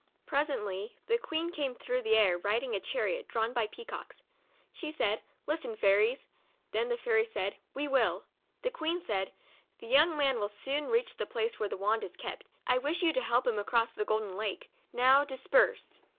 Presently the Queen came through the air, riding in a chariot, drawn by pea COUNTRY DOLL. 63 cocks. She said, " Listen, Fairies." Then the fairies said, u We will." The Queen said, " The young man will soon reach the palace where the wand is kept. I wish you to help him across the ' Golden Lake.' Now disperse."